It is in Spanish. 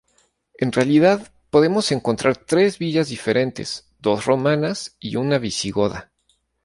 En realidad, podemos encontrar tres villas diferentes, dos romanas y una visigoda.